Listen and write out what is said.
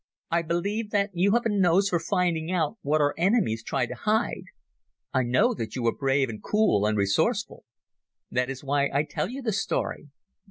I believe that you have a nose for finding out what our enemies try to hide. I know that you are brave and cool and resourceful. That is why I tell you the story.